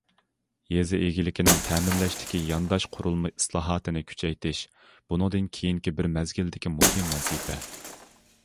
يېزا ئىگىلىكىنىڭ تەمىنلەشتىكى يانداش قۇرۇلما ئىسلاھاتىنى كۈچەيتىش بۇنىڭدىن كېيىنكى بىر مەزگىلدىكى مۇھىم ۋەزىپە.